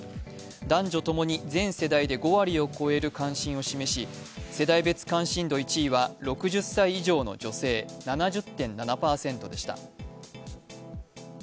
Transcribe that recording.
男女共に全世代で５割を超える関心を示し世代別関心度１位は６０歳の女性７０．７％でした。